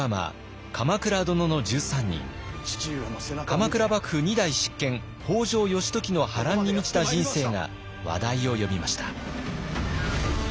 鎌倉幕府２代執権北条義時の波乱に満ちた人生が話題を呼びました。